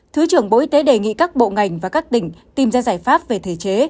thứ trưởng bộ y tế đề nghị các bộ ngành và các tỉnh tìm ra giải pháp về thể chế